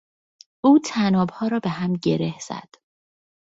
او طنابها را به هم گره زد.